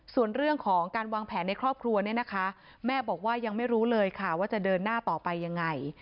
ส่วนเรื่องของการวางแผนในครอบครัวเนี่ยนะคะแม่บอกว่ายังไม่รู้เลยค่ะว่าจะเดินหน้าต่อไปยังไง